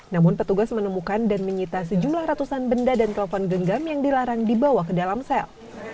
namun petugas menemukan dan menyita sejumlah ratusan benda dan telepon genggam yang dilarang dibawa ke dalam sel